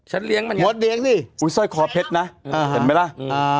หมดเดียงนี่อุ้ยสร้อยคอเพชรนะอ่าเห็นไหมล่ะอ่า